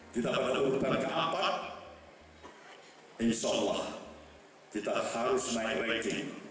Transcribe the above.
kita pada urutan ke empat insya allah kita harus naik ranking